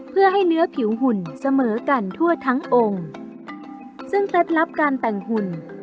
เพื่อให้เนื้อผิวหุ่นเสมอกันทั่วทั้งองค์ซึ่งเคล็ดลับการแต่งหุ่น